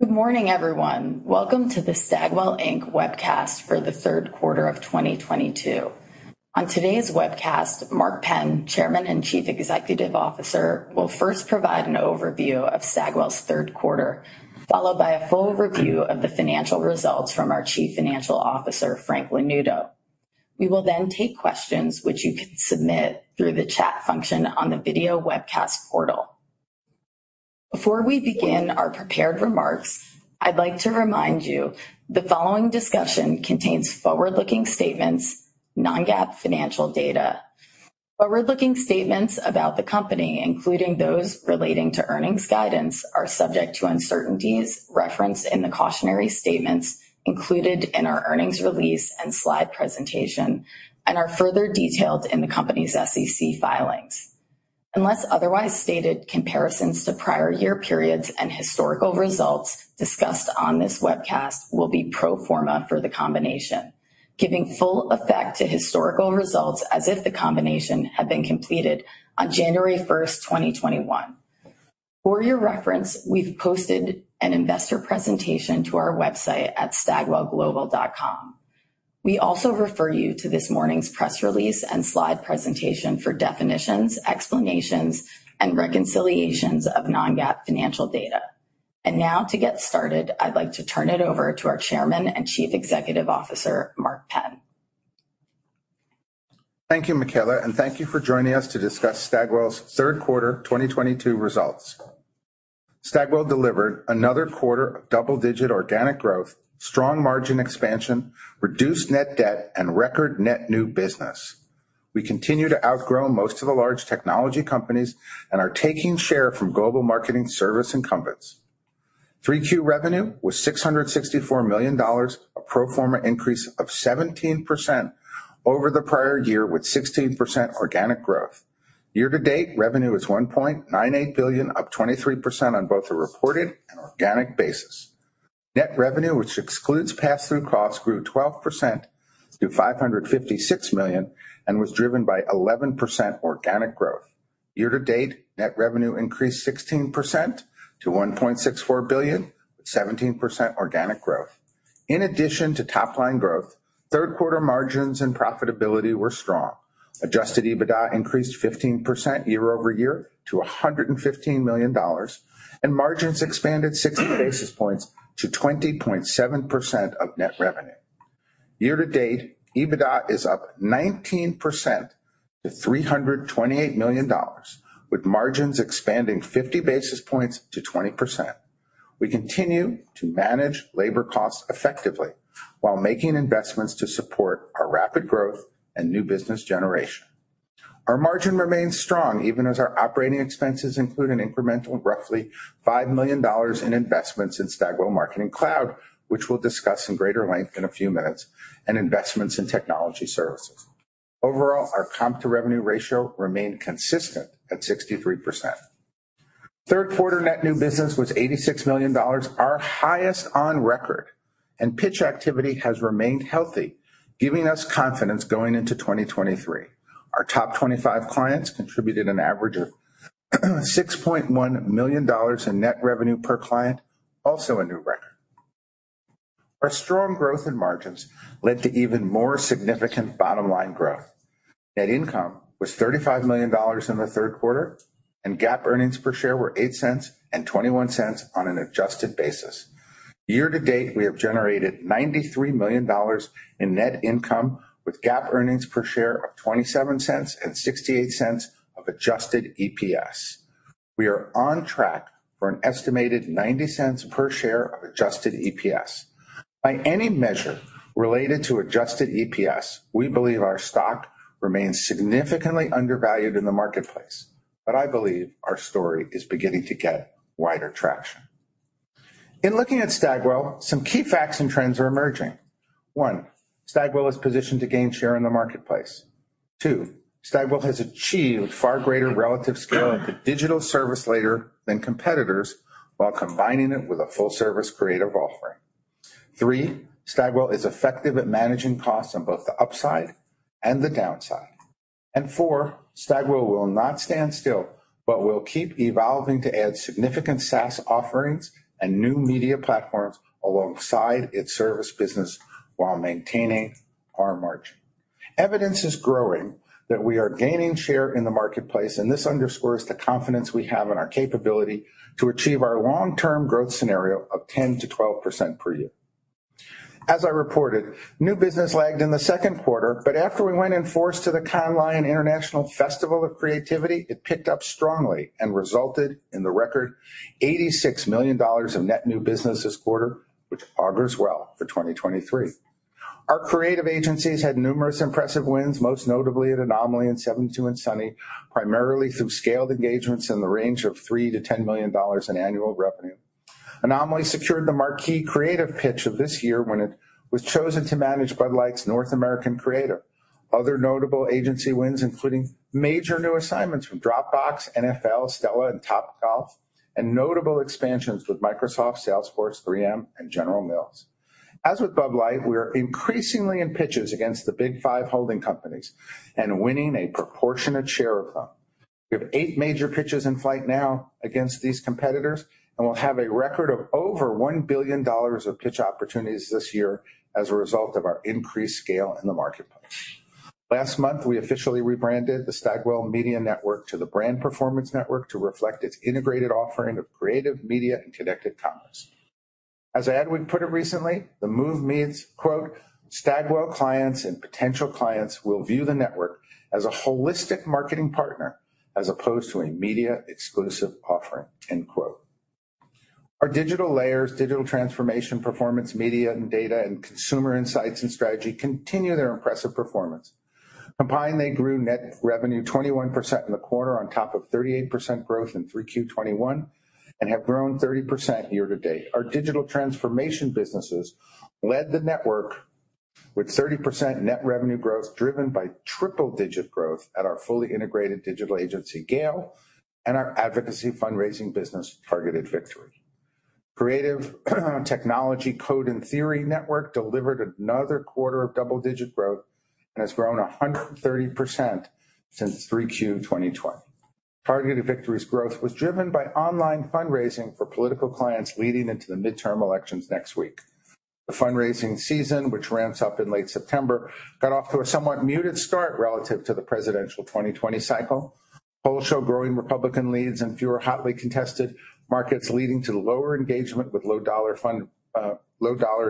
Good morning, everyone. Welcome to the Stagwell Inc. webcast for the third quarter of 2022. On today's webcast, Mark Penn, Chairman and Chief Executive Officer, will first provide an overview of Stagwell's third quarter, followed by a full review of the financial results from our Chief Financial Officer, Frank Lanuto. We will then take questions which you can submit through the chat function on the video webcast portal. Before we begin our prepared remarks, I'd like to remind you that the following discussion contains forward-looking statements, non-GAAP financial data. Forward-looking statements about the company, including those relating to earnings guidance, are subject to uncertainties referenced in the cautionary statements included in our earnings release and slide presentation and are further detailed in the company's SEC filings. Unless otherwise stated, comparisons to prior year periods and historical results discussed on this webcast will be pro forma for the combination, giving full effect to historical results as if the combination had been completed on January 1, 2021. For your reference, we've posted an investor presentation to our website at stagwellglobal.com. We also refer you to this morning's press release and slide presentation for definitions, explanations, and reconciliations of non-GAAP financial data. Now to get started, I'd like to turn it over to our Chairman and Chief Executive Officer, Mark Penn. Thank you, Michaela, and thank you for joining us to discuss Stagwell's third quarter 2022 results. Stagwell delivered another quarter of double-digit organic growth, strong margin expansion, reduced net debt, and record net new business. We continue to outgrow most of the large technology companies and are taking share from global marketing service incumbents. Q3 revenue was $664 million, a pro forma increase of 17% over the prior year with 16% organic growth. Year-to-date, revenue is $1.98 billion, up 23% on both a reported and organic basis. Net revenue, which excludes pass-through costs, grew 12% to $556 million and was driven by 11% organic growth. Year-to-date, net revenue increased 16% to $1.64 billion, with 17% organic growth. In addition to top line growth, third quarter margins and profitability were strong. Adjusted EBITDA increased 15% year-over-year to $115 million, and margins expanded 60 basis points to 20.7% of net revenue. Year-to-date, EBITDA is up 19% to $328 million, with margins expanding 50 basis points to 20%. We continue to manage labor costs effectively while making investments to support our rapid growth and new business generation. Our margin remains strong even as our operating expenses include an incremental roughly $5 million in investments in Stagwell Marketing Cloud, which we'll discuss in greater length in a few minutes, and investments in technology services. Overall, our comp to revenue ratio remained consistent at 63%. Third quarter net new business was $86 million, our highest on record, and pitch activity has remained healthy, giving us confidence going into 2023. Our top 25 clients contributed an average of $6.1 million in net revenue per client, also a new record. Our strong growth in margins led to even more significant bottom line growth. Net income was $35 million in the third quarter, and GAAP earnings per share were $0.08 and $0.21 on an adjusted basis. Year-to-date, we have generated $93 million in net income, with GAAP earnings per share of $0.27 and $0.68 of Adjusted EPS. We are on track for an estimated $0.90 per share of Adjusted EPS. By any measure related to Adjusted EPS, we believe our stock remains significantly undervalued in the marketplace, but I believe our story is beginning to get wider traction. In looking at Stagwell, some key facts and trends are emerging. One, Stagwell is positioned to gain share in the marketplace. Two, Stagwell has achieved far greater relative scale as a digital service leader than competitors while combining it with a full service creative offering. Three, Stagwell is effective at managing costs on both the upside and the downside. Four, Stagwell will not stand still, but will keep evolving to add significant SaaS offerings and new media platforms alongside its service business while maintaining our margin. Evidence is growing that we are gaining share in the marketplace, and this underscores the confidence we have in our capability to achieve our long-term growth scenario of 10%-12% per year. As I reported, new business lagged in the second quarter, but after we went in force to the Cannes Lions International Festival of Creativity, it picked up strongly and resulted in the record $86 million of net new business this quarter, which augurs well for 2023. Our creative agencies had numerous impressive wins, most notably at Anomaly and 72andSunny, primarily through scaled engagements in the range of $3 million-$10 million in annual revenue. Anomaly secured the marquee creative pitch of this year when it was chosen to manage Bud Light's North American creative. Other notable agency wins, including major new assignments from Dropbox, NFL, Stellantis, and Topgolf, and notable expansions with Microsoft, Salesforce, 3M, and General Mills. As with Bud Light, we are increasingly in pitches against the Big Five holding companies and winning a proportionate share of them. We have eight major pitches in flight now against these competitors, and we'll have a record of over $1 billion of pitch opportunities this year as a result of our increased scale in the marketplace. Last month, we officially rebranded the Stagwell Media Network to the Brand Performance Network to reflect its integrated offering of creative media and connected commerce. As Edwin put it recently, the move means, quote, "Stagwell clients and potential clients will view the network as a holistic marketing partner as opposed to a media-exclusive offering." End quote. Our digital layers, digital transformation, performance media and data, and consumer insights and strategy continue their impressive performance. Combined, they grew net revenue 21% in the quarter on top of 38% growth in 3Q 2021 and have grown 30% year to date. Our digital transformation businesses led the network with 30% net revenue growth, driven by triple-digit growth at our fully integrated digital agency, GALE, and our advocacy fundraising business, Targeted Victory. Code and Theory network delivered another quarter of double-digit growth and has grown 130% since 3Q 2020. Targeted Victory's growth was driven by online fundraising for political clients leading into the midterm elections next week. The fundraising season, which ramps up in late September, got off to a somewhat muted start relative to the presidential 2020 cycle. Polls show growing Republican leads in fewer hotly contested markets, leading to lower engagement with low dollar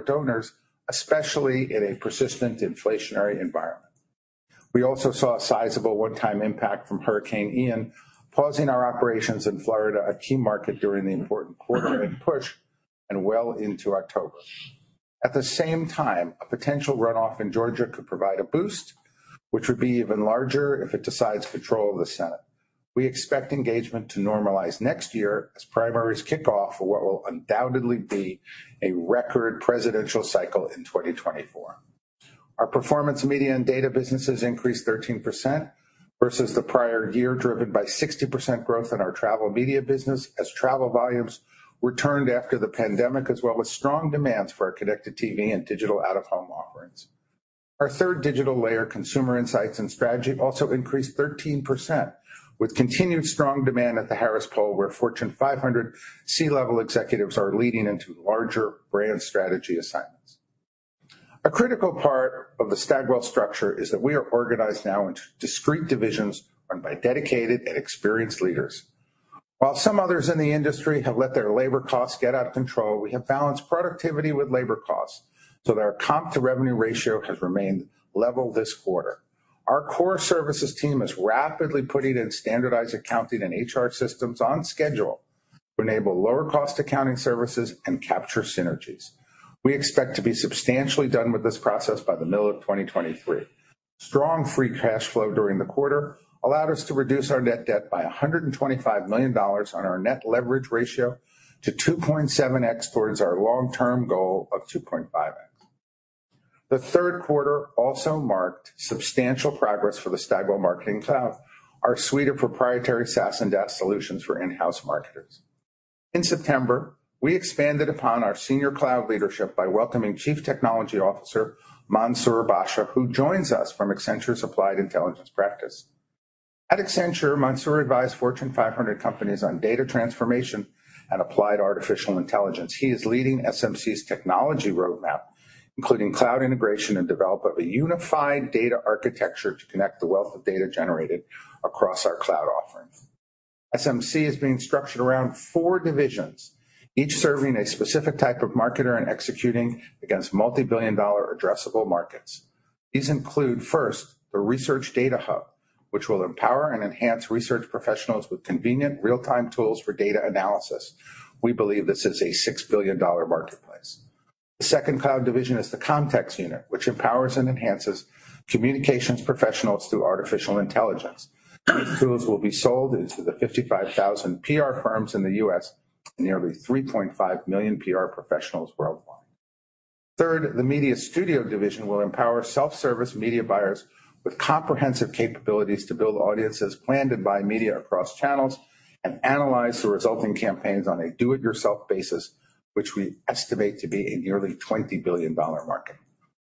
donors, especially in a persistent inflationary environment. We also saw a sizable one-time impact from Hurricane Ian, pausing our operations in Florida, a key market during the important quarter end push and well into October. At the same time, a potential runoff in Georgia could provide a boost, which would be even larger if it decides control of the Senate. We expect engagement to normalize next year as primaries kick off for what will undoubtedly be a record presidential cycle in 2024. Our performance media and data businesses increased 13% versus the prior year, driven by 60% growth in our travel media business as travel volumes returned after the pandemic, as well as strong demands for our connected TV and digital out-of-home offerings. Our third digital layer, consumer insights and strategy, also increased 13%, with continued strong demand at The Harris Poll, where Fortune 500 C-level executives are leading into larger brand strategy assignments. A critical part of the Stagwell structure is that we are organized now into discrete divisions run by dedicated and experienced leaders. While some others in the industry have let their labor costs get out of control, we have balanced productivity with labor costs, so our comp to revenue ratio has remained level this quarter. Our core services team is rapidly putting in standardized accounting and HR systems on schedule to enable lower cost accounting services and capture synergies. We expect to be substantially done with this process by the middle of 2023. Strong free cash flow during the quarter allowed us to reduce our net debt by $125 million on our net leverage ratio to 2.7x towards our long-term goal of 2.5x. The third quarter also marked substantial progress for the Stagwell Marketing Cloud, our suite of proprietary SaaS and DaaS solutions for in-house marketers. In September, we expanded upon our senior cloud leadership by welcoming Chief Technology Officer Mansoor Basha, who joins us from Accenture's Applied Intelligence practice. At Accenture, Mansoor advised Fortune 500 companies on data transformation and applied artificial intelligence. He is leading SMC's technology roadmap, including cloud integration and development of a unified data architecture to connect the wealth of data generated across our cloud offerings. SMC is being structured around four divisions, each serving a specific type of marketer and executing against multibillion-dollar addressable markets. These include, first, the research data hub, which will empower and enhance research professionals with convenient real-time tools for data analysis. We believe this is a $6 billion marketplace. The second cloud division is the context unit, which empowers and enhances communications professionals through artificial intelligence. These tools will be sold into the 55,000 PR firms in the U.S. and nearly 3.5 million PR professionals worldwide. Third, the media studio division will empower self-service media buyers with comprehensive capabilities to build audiences, plan to buy media across channels, and analyze the resulting campaigns on a do-it-yourself basis, which we estimate to be a nearly $20 billion market.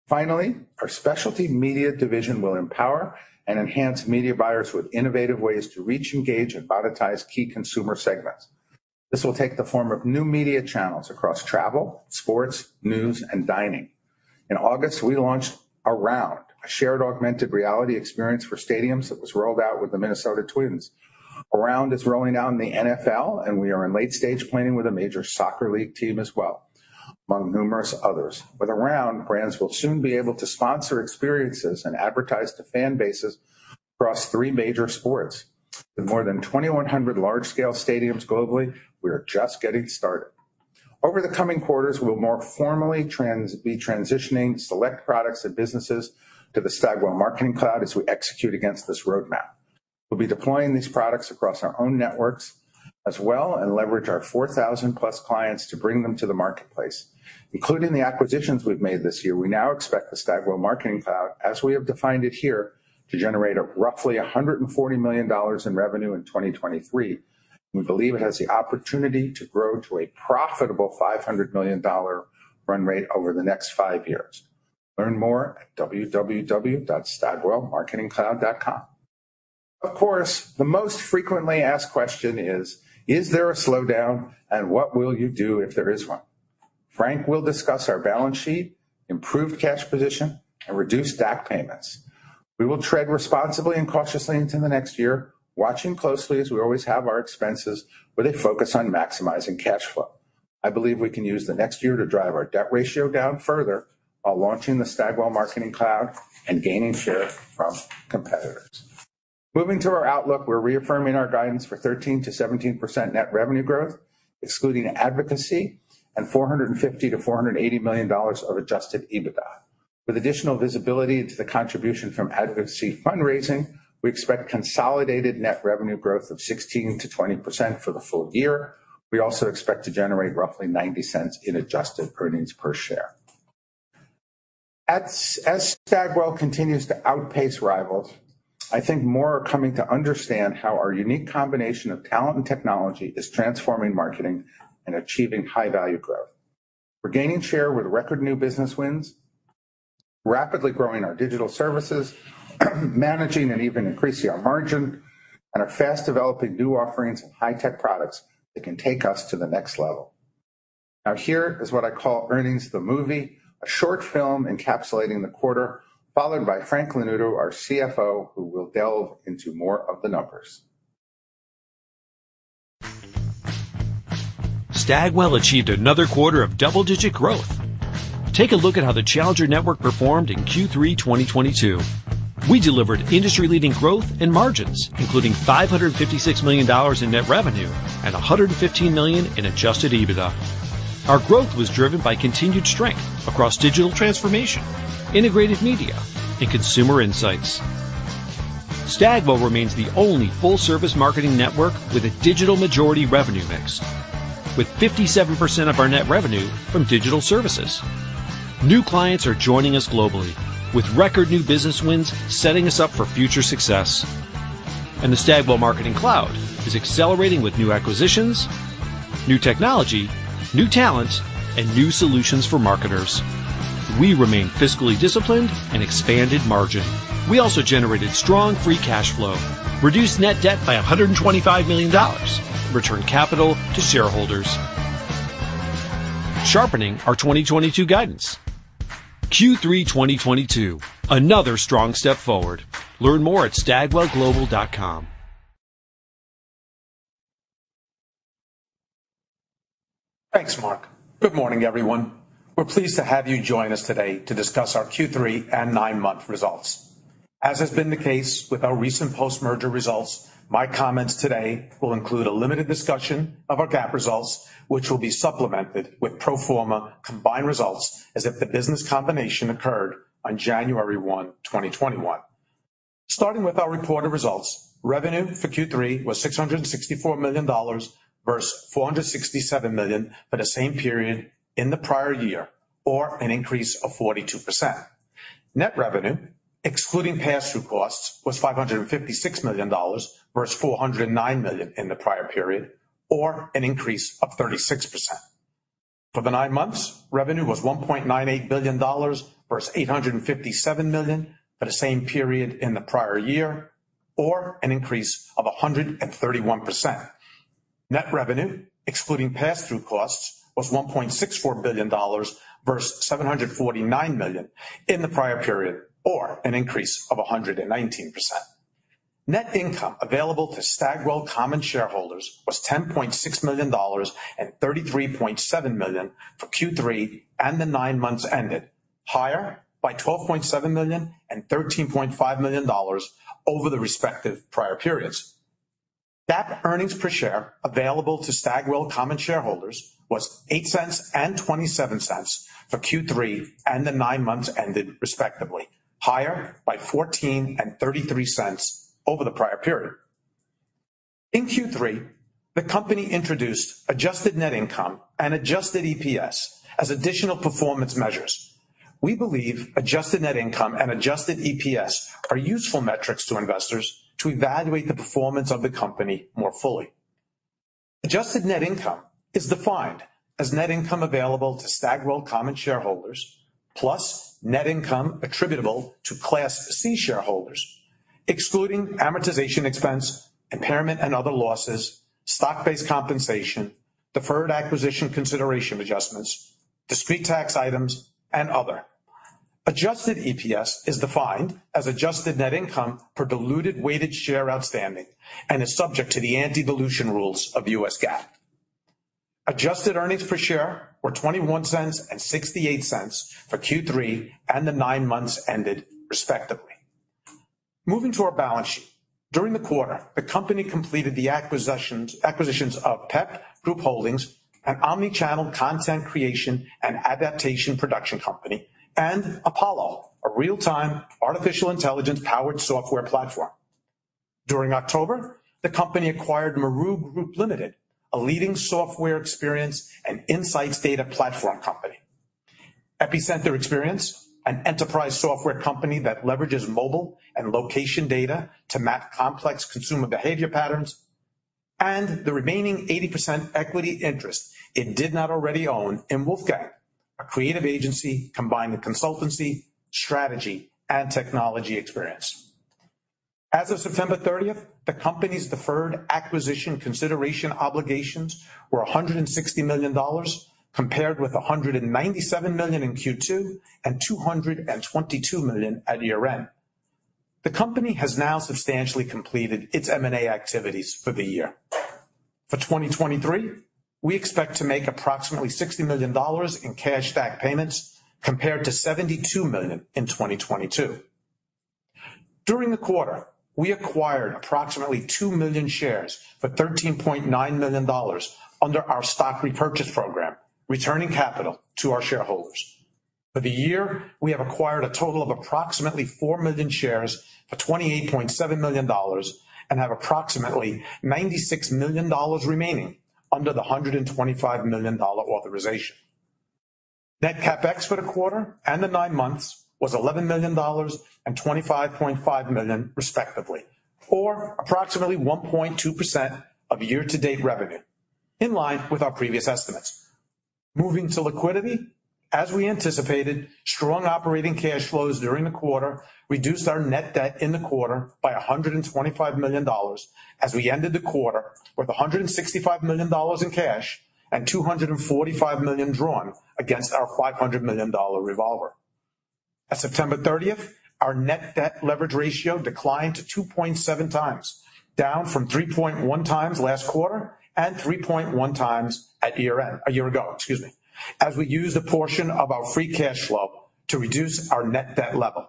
Finally, our specialty media division will empower and enhance media buyers with innovative ways to reach, engage, and monetize key consumer segments. This will take the form of new media channels across travel, sports, news, and dining. In August, we launched ARound, a shared augmented reality experience for stadiums that was rolled out with the Minnesota Twins. ARound is rolling out in the NFL, and we are in late-stage planning with a major soccer league team as well, among numerous others. With ARound, brands will soon be able to sponsor experiences and advertise to fan bases across three major sports. With more than 2,100 large-scale stadiums globally, we are just getting started. Over the coming quarters, we'll more formally be transitioning select products and businesses to the Stagwell Marketing Cloud as we execute against this roadmap. We'll be deploying these products across our own networks as well and leverage our 4,000+ clients to bring them to the marketplace. Including the acquisitions we've made this year, we now expect the Stagwell Marketing Cloud, as we have defined it here, to generate roughly $140 million in revenue in 2023. We believe it has the opportunity to grow to a profitable $500 million run rate over the next five years. Learn more at www.stagwellmarketingcloud.com. Of course, the most frequently asked question is: Is there a slowdown, and what will you do if there is one? Frank will discuss our balance sheet, improved cash position, and reduced stock payments. We will tread responsibly and cautiously into the next year, watching closely as we always have our expenses, with a focus on maximizing cash flow. I believe we can use the next year to drive our debt ratio down further while launching the Stagwell Marketing Cloud and gaining share from competitors. Moving to our outlook, we're reaffirming our guidance for 13%-17% net revenue growth, excluding advocacy and $450 million-$480 million of Adjusted EBITDA. With additional visibility into the contribution from advocacy fundraising, we expect consolidated net revenue growth of 16%-20% for the full year. We also expect to generate roughly $0.90 in adjusted earnings per share. As Stagwell continues to outpace rivals, I think more are coming to understand how our unique combination of talent and technology is transforming marketing and achieving high-value growth. We're gaining share with record new business wins, rapidly growing our digital services, managing and even increasing our margin, and are fast developing new offerings and high-tech products that can take us to the next level. Now, here is what I call Earnings the Movie, a short film encapsulating the quarter, followed by Frank Lanuto, our CFO, who will delve into more of the numbers. Stagwell achieved another quarter of double-digit growth. Take a look at how the Challenger network performed in Q3 2022. We delivered industry-leading growth and margins, including $556 million in net revenue and $115 million in Adjusted EBITDA. Our growth was driven by continued strength across digital transformation, integrated media, and consumer insights. Stagwell remains the only full-service marketing network with a digital majority revenue mix. With 57% of our net revenue from digital services. New clients are joining us globally with record new business wins, setting us up for future success. The Stagwell Marketing Cloud is accelerating with new acquisitions, new technology, new talent, and new solutions for marketers. We remain fiscally disciplined and expanded margin. We also generated strong free cash flow, reduced net debt by $125 million, returned capital to shareholders, sharpening our 2022 guidance. Q3 2022, another strong step forward. Learn more at stagwellglobal.com. Thanks, Mark. Good morning, everyone. We're pleased to have you join us today to discuss our Q3 and nine-month results. As has been the case with our recent post-merger results, my comments today will include a limited discussion of our GAAP results, which will be supplemented with pro forma combined results as if the business combination occurred on January 1, 2021. Starting with our reported results, revenue for Q3 was $664 million versus $467 million for the same period in the prior year, or an increase of 42%. Net revenue, excluding pass-through costs, was $556 million versus $409 million in the prior period, or an increase of 36%. For the nine months, revenue was $1.98 billion versus $857 million for the same period in the prior year, or an increase of 131%. Net revenue, excluding pass-through costs, was $1.64 billion versus $749 million in the prior period, or an increase of 119%. Net income available to Stagwell common shareholders was $10.6 million and $33.7 million for Q3 and the nine months ended, higher by $12.7 million and $13.5 million over the respective prior periods. GAAP earnings per share available to Stagwell common shareholders was $0.08 and $0.27 for Q3 and the nine months ended, respectively, higher by $0.14 and $0.33 over the prior period. In Q3, the company introduced adjusted net income and Adjusted EPS as additional performance measures. We believe adjusted net income and Adjusted EPS are useful metrics to investors to evaluate the performance of the company more fully. Adjusted net income is defined as net income available to Stagwell common shareholders plus net income attributable to Class C shareholders, excluding amortization expense, impairment and other losses, stock-based compensation, deferred acquisition consideration adjustments, discrete tax items, and other. Adjusted EPS is defined as adjusted net income per diluted weighted share outstanding and is subject to the anti-dilution rules of U.S. GAAP. Adjusted earnings per share were $0.21 and $0.68 for Q3 and the nine months ended, respectively. Moving to our balance sheet. During the quarter, the company completed the acquisitions of PEP Group, an omnichannel content creation and adaptation production company, and Apollo, a real-time artificial intelligence-powered software platform. During October, the company acquired Maru Group Limited, a leading software experience and insights data platform company, Epicenter Experience, an enterprise software company that leverages mobile and location data to map complex consumer behavior patterns, and the remaining 80% equity interest it did not already own in Wolfgang, a creative agency combining consultancy, strategy, and technology experience. As of September 30th, the company's deferred acquisition consideration obligations were $160 million, compared with $197 million in Q2 and $222 million at year-end. The company has now substantially completed its M&A activities for the year. For 2023, we expect to make approximately $60 million in cash back payments compared to $72 million in 2022. During the quarter, we acquired approximately 2 million shares for $13.9 million under our stock repurchase program, returning capital to our shareholders. For the year, we have acquired a total of approximately 4 million shares for $28.7 million and have approximately $96 million remaining under the $125 million authorization. Net CapEx for the quarter and the nine months was $11 million and $25.5 million, respectively, or approximately 1.2% of year-to-date revenue, in line with our previous estimates. Moving to liquidity, as we anticipated, strong operating cash flows during the quarter reduced our net debt in the quarter by $125 million as we ended the quarter with $165 million in cash and $245 million drawn against our $500 million revolver. At September 30, our net debt leverage ratio declined to 2.7x, down from 3.1x last quarter and 3.1x a year ago, excuse me, as we use a portion of our free cash flow to reduce our net debt level.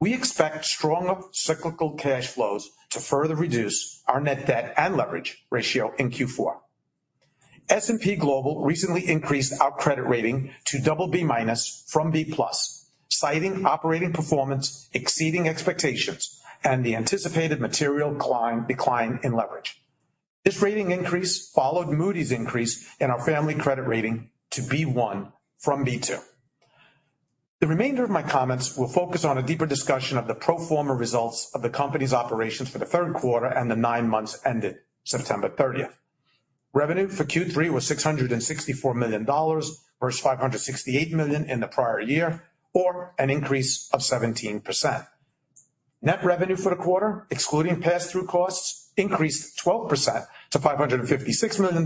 We expect strong cyclical cash flows to further reduce our net debt and leverage ratio in Q4. S&P Global recently increased our credit rating to BB- from B+, citing operating performance exceeding expectations and the anticipated material decline in leverage. This rating increase followed Moody's increase in our family credit rating to B1 from B2. The remainder of my comments will focus on a deeper discussion of the pro forma results of the company's operations for the third quarter and the nine months ended September 30th. Revenue for Q3 was $664 million versus $568 million in the prior year, or an increase of 17%. Net revenue for the quarter, excluding passthrough costs, increased 12% to $556 million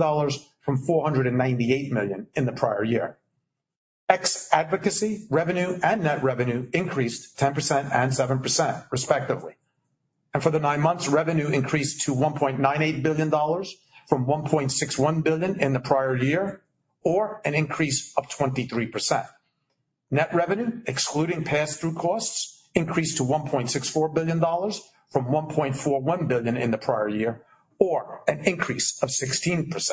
from $498 million in the prior year. Ex advocacy, revenue and net revenue increased 10% and 7%, respectively. For the nine months, revenue increased to $1.98 billion from $1.61 billion in the prior year, or an increase of 23%. Net revenue, excluding passthrough costs, increased to $1.64 billion from $1.41 billion in the prior year, or an increase of 16%.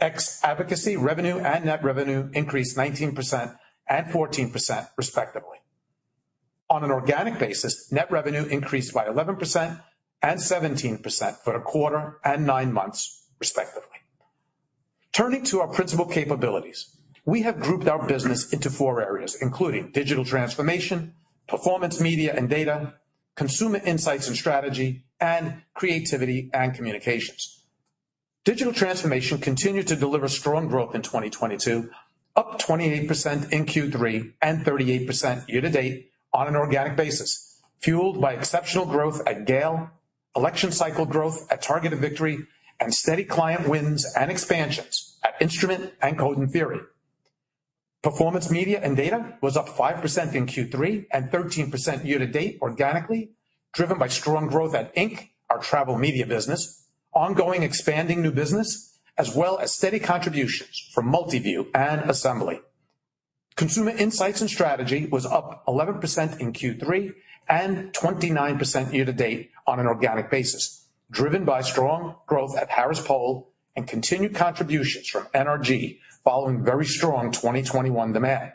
Ex advocacy, revenue and net revenue increased 19% and 14%, respectively. On an organic basis, net revenue increased by 11% and 17% for the quarter and 9 months, respectively. Turning to our principal capabilities, we have grouped our business into four areas, including digital transformation, performance media and data, consumer insights and strategy, and creativity and communications. Digital transformation continued to deliver strong growth in 2022, up 28% in Q3 and 38% year-to-date on an organic basis, fueled by exceptional growth at GALE, election cycle growth at Targeted Victory, and steady client wins and expansions at Instrument and Code and Theory. Performance media and data was up 5% in Q3 and 13% year-to-date organically, driven by strong growth at Ink, our travel media business, ongoing expanding new business, as well as steady contributions from Multiview and Assembly. Consumer insights and strategy was up 11% in Q3 and 29% year-to-date on an organic basis, driven by strong growth at Harris Poll and continued contributions from NRG following very strong 2021 demand.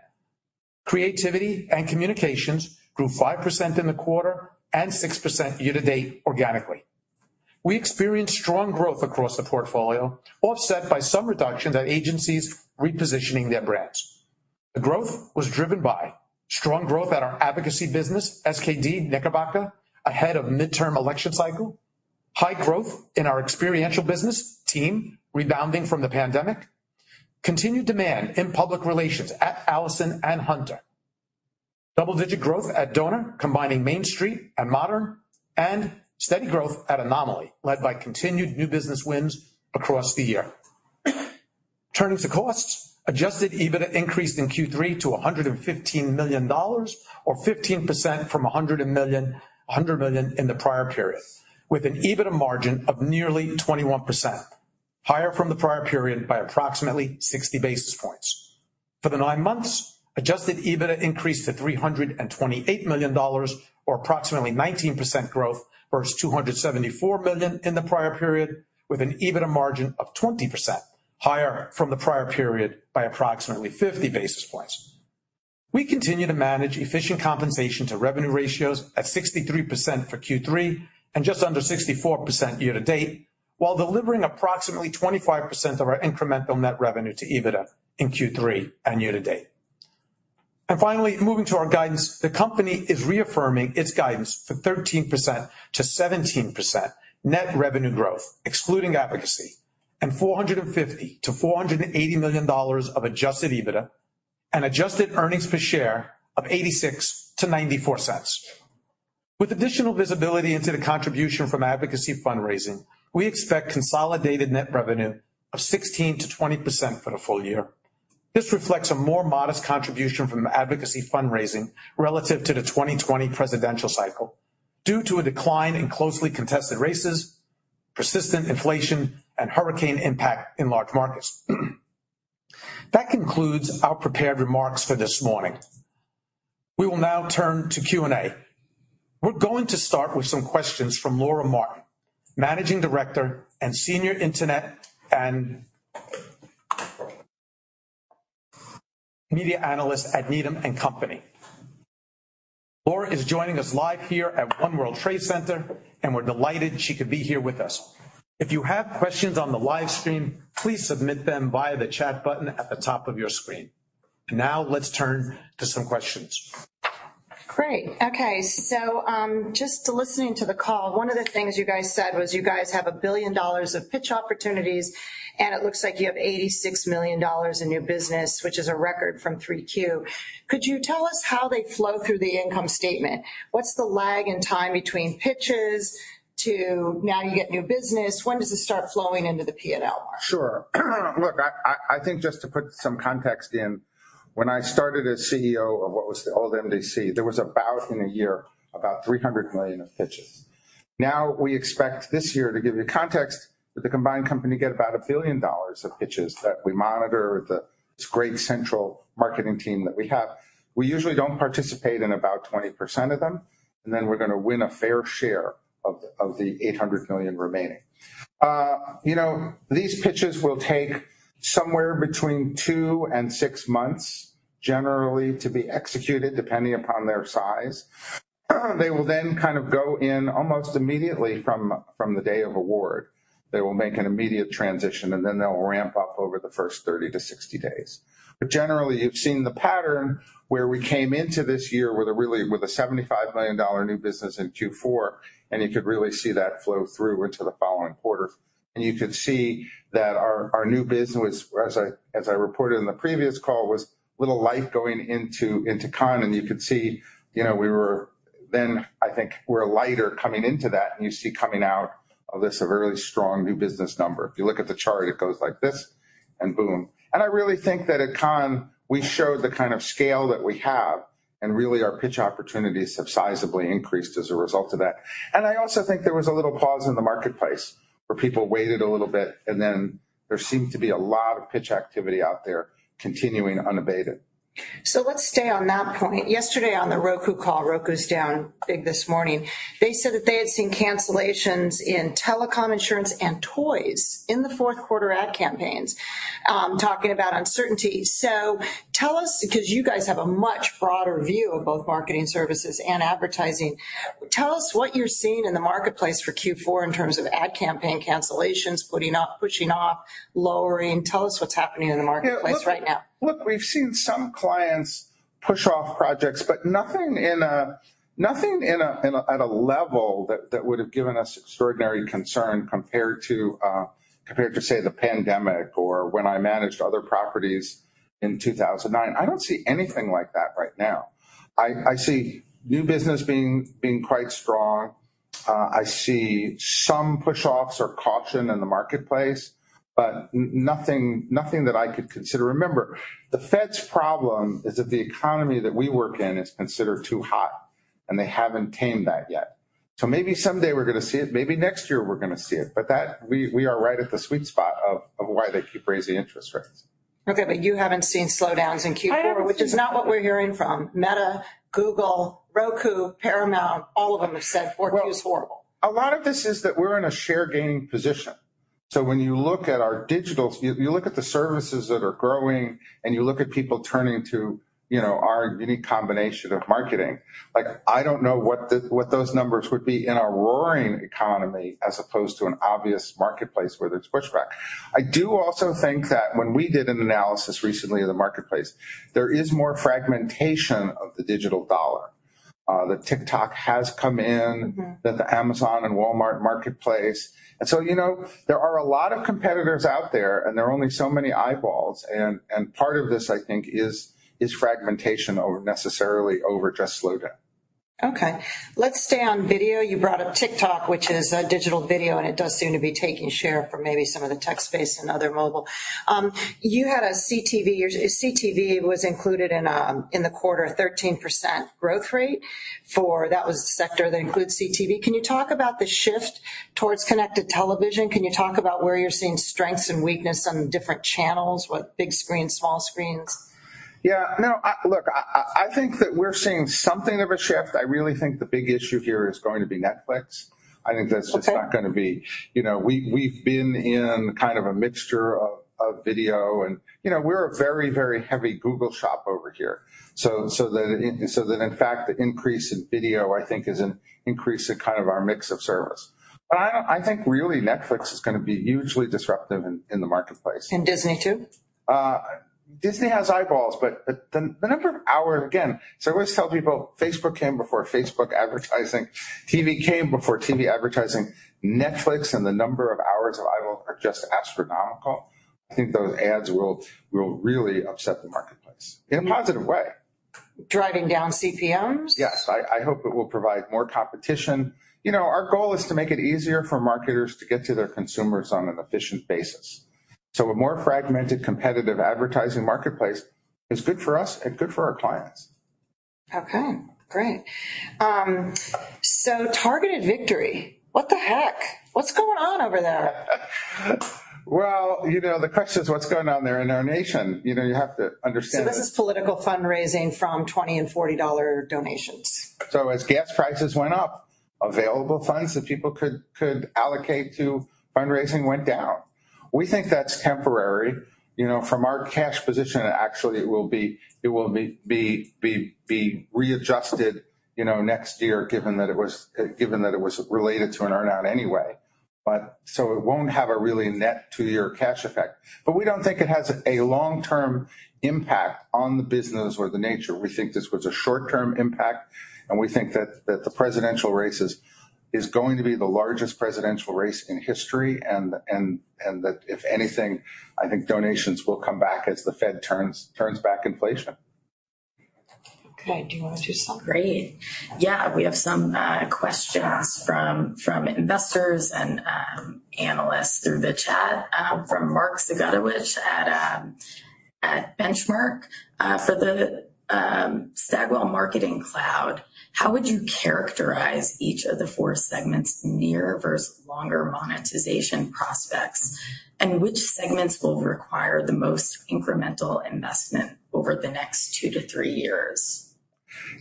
Creativity and communications grew 5% in the quarter and 6% year-to-date organically. We experienced strong growth across the portfolio, offset by some reductions at agencies repositioning their brands. The growth was driven by strong growth at our advocacy business, SKDK, ahead of midterm election cycle, high growth in our experiential business team rebounding from the pandemic, continued demand in public relations at Allison and HUNTER. Double-digit growth at Doner, combining Main Street and Modern, and steady growth at Anomaly, led by continued new business wins across the year. Turning to costs, Adjusted EBITDA increased in Q3 to $115 million or 15% from $100 million in the prior period, with an EBITDA margin of nearly 21%, higher from the prior period by approximately 60 basis points. For the nine months, Adjusted EBITDA increased to $328 million, or approximately 19% growth versus $274 million in the prior period, with an EBITDA margin of 20% higher from the prior period by approximately 50 basis points. We continue to manage efficient compensation to revenue ratios at 63% for Q3 and just under 64% year-to-date, while delivering approximately 25% of our incremental net revenue to EBITDA in Q3 and year-to-date. Finally, moving to our guidance. The company is reaffirming its guidance for 13%-17% net revenue growth, excluding advocacy, and $450 million-$480 million of Adjusted EBITDA and Adjusted EPS of $0.86-$0.94. With additional visibility into the contribution from advocacy fundraising, we expect consolidated net revenue of 16%-20% for the full year. This reflects a more modest contribution from advocacy fundraising relative to the 2020 presidential cycle due to a decline in closely contested races, persistent inflation, and hurricane impact in large markets. That concludes our prepared remarks for this morning. We will now turn to Q&A. We're going to start with some questions from Laura Martin, Managing Director, Senior Internet and Media Analyst at Needham & Company. Laura is joining us live here at One World Trade Center, and we're delighted she could be here with us. If you have questions on the live stream, please submit them via the chat button at the top of your screen. Now let's turn to some questions. Great. Okay. Just listening to the call, one of the things you guys said was you guys have $1 billion of pitch opportunities, and it looks like you have $86 million in new business, which is a record from Q3. Could you tell us how they flow through the income statement? What's the lag in time between pitches to now you get new business? When does it start flowing into the P&L, Mark? Sure. Look, I think just to put some context in, when I started as CEO of what was the old MDC, there was about, in a year, $300 million of pitches. Now we expect this year, to give you context, that the combined company get about $1 billion of pitches that we monitor with this great central marketing team that we have. We usually don't participate in about 20% of them, and then we're gonna win a fair share of the $800 million remaining. You know, these pitches will take somewhere between 2 and 6 months generally to be executed, depending upon their size. They will then kind of go in almost immediately from the day of award. They will make an immediate transition, and then they'll ramp up over the first 30-60 days. Generally, you've seen the pattern where we came into this year with a $75 million new business in Q4, and you could really see that flow through into the following quarter. You could see that our new business, as I reported in the previous call, was a little light going into Cannes. You could see, you know, we were then, I think, we're lighter coming into that. You see coming out of this a really strong new business number. If you look at the chart, it goes like this and boom. I really think that at Cannes we showed the kind of scale that we have and really our pitch opportunities have sizably increased as a result of that. I also think there was a little pause in the marketplace where people waited a little bit, and then there seemed to be a lot of pitch activity out there continuing unabated. Let's stay on that point. Yesterday on the Roku call, Roku's down big this morning. They said that they had seen cancellations in telecom insurance and toys in the fourth quarter ad campaigns, talking about uncertainty. Tell us, because you guys have a much broader view of both marketing services and advertising, tell us what you're seeing in the marketplace for Q4 in terms of ad campaign cancellations, putting off, pushing off, lowering. Tell us what's happening in the marketplace right now. Look, we've seen some clients push off projects, but nothing at a level that would have given us extraordinary concern compared to, say, the pandemic or when I managed other properties in 2009. I don't see anything like that right now. I see new business being quite strong. I see some push-offs or caution in the marketplace, but nothing that I could consider. Remember, the Fed's problem is that the economy that we work in is considered too hot, and they haven't tamed that yet. So maybe someday we're gonna see it, maybe next year we're gonna see it. That we are right at the sweet spot of why they keep raising interest rates. Okay, you haven't seen slowdowns in Q4, which is not what we're hearing from Meta, Google, Roku, Paramount. All of them have said Q4 is horrible. A lot of this is that we're in a share gaining position. When you look at our digital, you look at the services that are growing and you look at people turning to, you know, our unique combination of marketing, like, I don't know what those numbers would be in a roaring economy as opposed to an obvious marketplace where there's pushback. I do also think that when we did an analysis recently of the marketplace, there is more fragmentation of the digital dollar. The TikTok has come in, the Amazon and Walmart marketplace. You know, there are a lot of competitors out there, and there are only so many eyeballs. Part of this, I think, is fragmentation over necessarily just slowdown. Okay, let's stay on video. You brought up TikTok, which is a digital video, and it does seem to be taking share from maybe some of the tech space and other mobile. You had a CTV. Your CTV was included in the quarter, a 13% growth rate that was the sector that includes CTV. Can you talk about the shift towards connected television? Can you talk about where you're seeing strengths and weakness on different channels? What big screens, small screens? Yeah, no, look, I think that we're seeing something of a shift. I really think the big issue here is going to be Netflix. Okay. I think that's just not gonna be. You know, we've been in kind of a mixture of video and, you know, we're a very, very heavy Google shop over here. So that in fact, the increase in video I think is an increase in kind of our mix of service. I think really Netflix is gonna be hugely disruptive in the marketplace. Disney too? Disney has eyeballs, but the number of hours, again. I always tell people, Facebook came before Facebook advertising, TV came before TV advertising. Netflix and the number of hours of eyeballs are just astronomical. I think those ads will really upset the marketplace in a positive way. Driving down CPMs? Yes. I hope it will provide more competition. You know, our goal is to make it easier for marketers to get to their consumers on an efficient basis. A more fragmented, competitive advertising marketplace is good for us and good for our clients. Okay, great. Targeted Victory. What the heck? What's going on over there? Well, you know, the question is what's going on there in our nation? You know, you have to understand. This is political fundraising from $20 and $40 donations. As gas prices went up, available funds that people could allocate to fundraising went down. We think that's temporary. You know, from our cash position, actually, it will be readjusted, you know, next year, given that it was related to an earn-out anyway. It won't have a really net two-year cash effect. We don't think it has a long-term impact on the business or the nature. We think this was a short-term impact, and we think that the presidential race is going to be the largest presidential race in history, and that if anything, I think donations will come back as the Fed turns back inflation. Okay. Do you want to do some? Great. Yeah. We have some questions from investors and analysts through the chat. From Mark Zgutowicz at Benchmark. For the Stagwell Marketing Cloud, how would you characterize each of the four segments near versus longer monetization prospects? And which segments will require the most incremental investment over the next two to three years?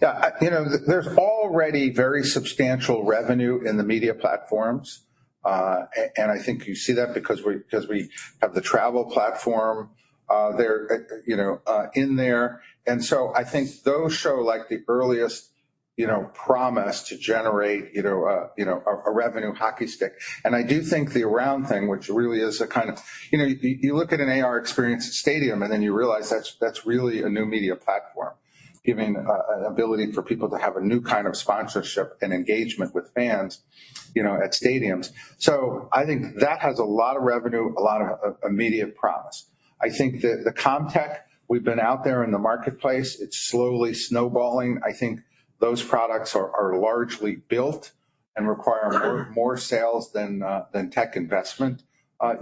Yeah. You know, there's already very substantial revenue in the media platforms. And I think you see that because we have the travel platform there, you know, in there. I think those show like the earliest, you know, promise to generate, you know, a revenue hockey stick. I do think the ARound thing, which really is a kind of. You know, you look at an AR experience at stadium, and then you realize that's really a new media platform, giving the ability for people to have a new kind of sponsorship and engagement with fans, you know, at stadiums. I think that has a lot of revenue, a lot of immediate promise. I think the comms tech, we've been out there in the marketplace, it's slowly snowballing. I think those products are largely built and require more sales than tech investment,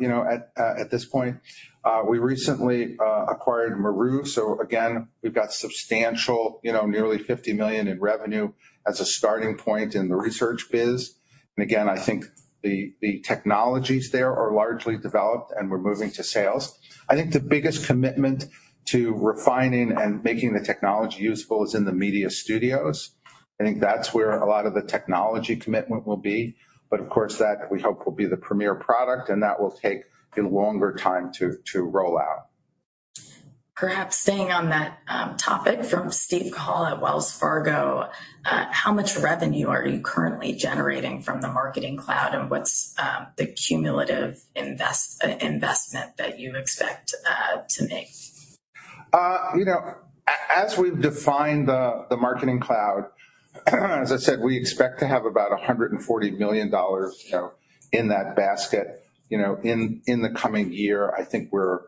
you know, at this point. We recently acquired Maru, so again, we've got substantial, you know, nearly $50 million in revenue as a starting point in the research biz. Again, I think the technologies there are largely developed, and we're moving to sales. I think the biggest commitment to refining and making the technology useful is in the media studios. I think that's where a lot of the technology commitment will be. Of course, that we hope will be the premier product, and that will take a longer time to roll out. Perhaps staying on that topic from Steven Cahall at Wells Fargo, how much revenue are you currently generating from the Marketing Cloud, and what's the cumulative investment that you expect to make? As we've defined the Marketing Cloud, as I said, we expect to have about $140 million, you know, in that basket, you know, in the coming year. I think we're.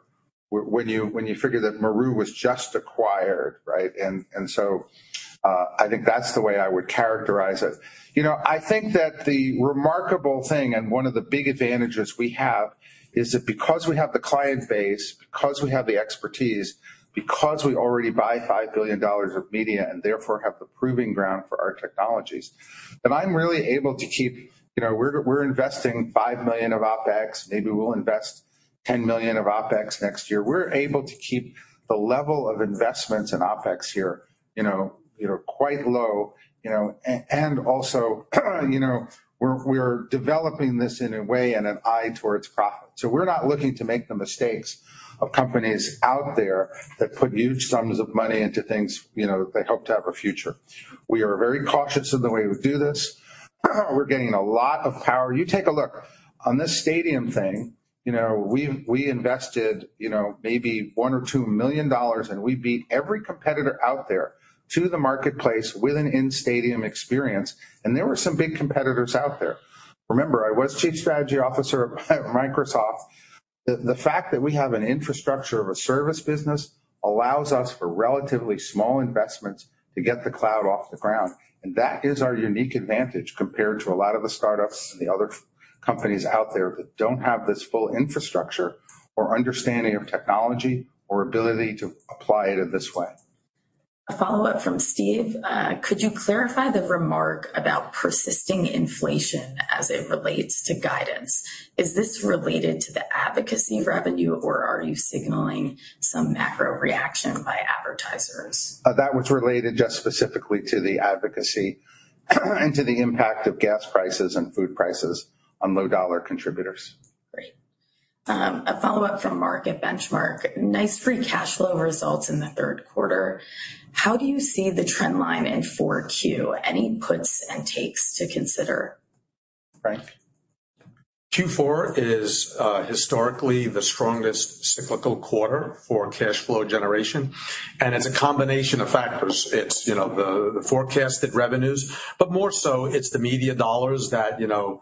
When you figure that Maru was just acquired, right? I think that's the way I would characterize it. You know, I think that the remarkable thing and one of the big advantages we have is that because we have the client base, because we have the expertise, because we already buy $5 billion of media and therefore have the proving ground for our technologies, that I'm really able to keep. You know, we're investing $5 million of OpEx. Maybe we'll invest $10 million of OpEx next year. We're able to keep the level of investments in OpEx here, you know, quite low. And also, you know, we're developing this in a way and an eye towards profit. We're not looking to make the mistakes of companies out there that put huge sums of money into things, you know, they hope to have a future. We are very cautious in the way we do this. We're getting a lot of power. You take a look. On this stadium thing, you know, we invested, you know, maybe $1 million or $2 million, and we beat every competitor out there to the marketplace with an in-stadium experience. There were some big competitors out there. Remember, I was chief strategy officer at Microsoft. The fact that we have an infrastructure of a service business allows us for relatively small investments to get the cloud off the ground. That is our unique advantage compared to a lot of the startups and the other companies out there that don't have this full infrastructure or understanding of technology or ability to apply it in this way. A follow-up from Steve. Could you clarify the remark about persisting inflation as it relates to guidance? Is this related to the advocacy revenue, or are you signaling some macro reaction by advertisers? That was related just specifically to the advocacy and to the impact of gas prices and food prices on low-dollar contributors. Great. A follow-up from Mark at Benchmark. Nice free cash flow results in the third quarter. How do you see the trend line in Q4? Any puts and takes to consider? Frank? Q4 is historically the strongest cyclical quarter for cash flow generation, and it's a combination of factors. It's you know the forecasted revenues, but more so it's the media dollars that you know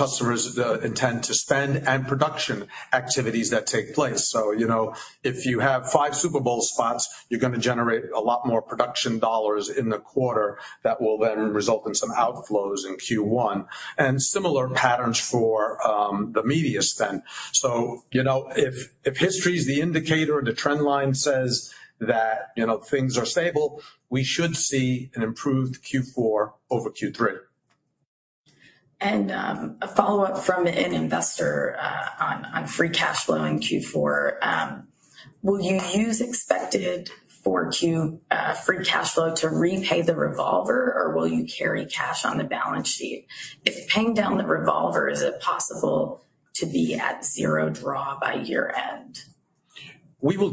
customers intend to spend and production activities that take place. You know, if you have five Super Bowl spots, you're gonna generate a lot more production dollars in the quarter that will then result in some outflows in Q1, and similar patterns for the media spend. You know, if history is the indicator, the trend line says that you know things are stable, we should see an improved Q4 over Q3. A follow-up from an investor on free cash flow in Q4. Will you use expected 4Q free cash flow to repay the revolver, or will you carry cash on the balance sheet? If paying down the revolver, is it possible to be at zero draw by year-end? We will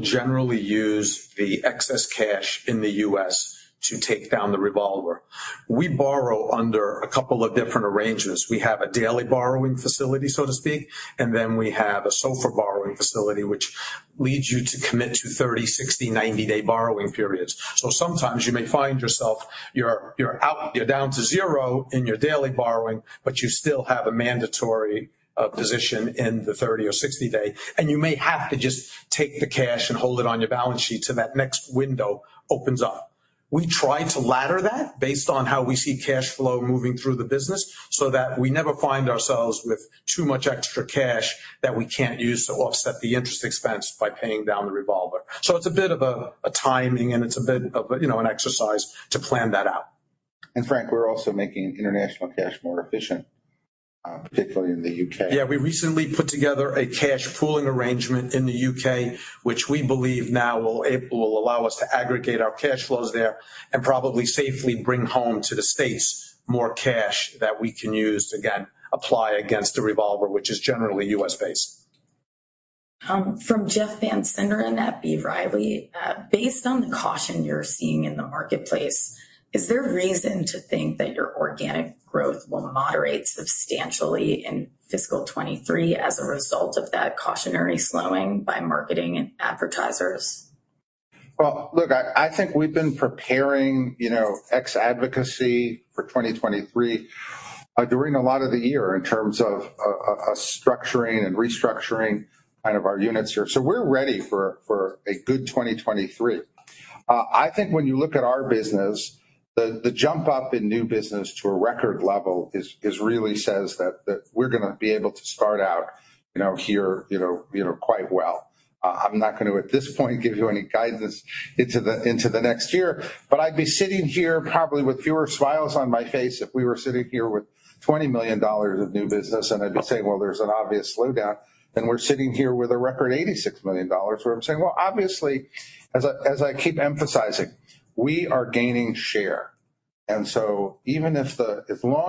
generally use the excess cash in the U.S. to take down the revolver. We borrow under a couple of different arrangements. We have a daily borrowing facility, so to speak, and then we have a SOFR borrowing facility which leads you to commit to 30, 60, 90-day borrowing periods. Sometimes you may find yourself, you're out, down to zero in your daily borrowing, but you still have a mandatory position in the 30 or 60 day, and you may have to just take the cash and hold it on your balance sheet till that next window opens up. We try to ladder that based on how we see cash flow moving through the business, so that we never find ourselves with too much extra cash that we can't use to offset the interest expense by paying down the revolver.It's a bit of a timing, and it's a bit of a, you know, an exercise to plan that out. Frank, we're also making international cash more efficient, particularly in the U.K. Yeah. We recently put together a cash pooling arrangement in the U.K., which we believe now will allow us to aggregate our cash flows there and probably safely bring home to the States more cash that we can use to, again, apply against the revolver, which is generally U.S.-based. From Jeff Van Sinderen at B. Riley, based on the caution you're seeing in the marketplace, is there reason to think that your organic growth will moderate substantially in fiscal 2023 as a result of that cautionary slowing by marketing and advertisers? Well, look, I think we've been preparing, you know, ex advocacy for 2023 during a lot of the year in terms of structuring and restructuring kind of our units here. We're ready for a good 2023. I think when you look at our business, the jump up in new business to a record level it really says that we're gonna be able to start out, you know, here, you know, quite well. I'm not gonna, at this point, give you any guidance into the next year, but I'd be sitting here probably with fewer smiles on my face if we were sitting here with $20 million of new business, and I'd be saying, "Well, there's an obvious slowdown." We're sitting here with a record $86 million, where I'm saying, well, obviously, as I keep emphasizing, we are gaining share. As long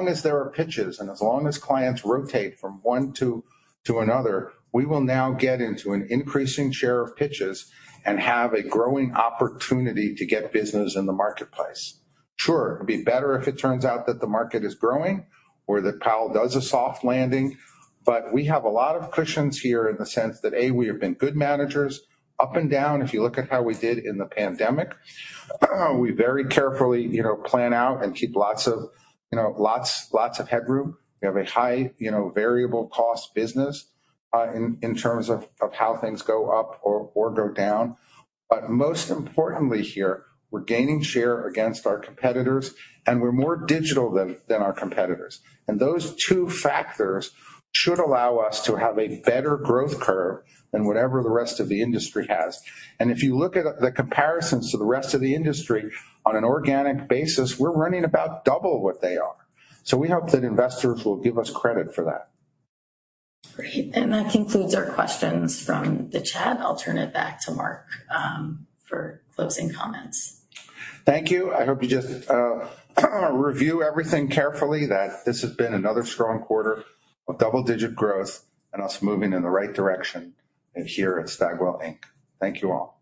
as there are pitches and as long as clients rotate from one to another, we will now get into an increasing share of pitches and have a growing opportunity to get business in the marketplace. Sure, it'd be better if it turns out that the market is growing or that Powell does a soft landing, but we have a lot of cushions here in the sense that, A, we have been good managers up and down, if you look at how we did in the pandemic. We very carefully, you know, plan out and keep lots of, you know, lots of headroom. We have a high, you know, variable cost business in terms of how things go up or go down. But most importantly here, we're gaining share against our competitors, and we're more digital than our competitors. Those two factors should allow us to have a better growth curve than whatever the rest of the industry has. If you look at the comparisons to the rest of the industry on an organic basis, we're running about double what they are. We hope that investors will give us credit for that. Great. That concludes our questions from the chat. I'll turn it back to Mark for closing comments. Thank you. I hope you just review everything carefully, that this has been another strong quarter of double-digit growth and us moving in the right direction here at Stagwell Inc. Thank you all.